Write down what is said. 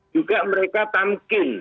juga mereka tamkin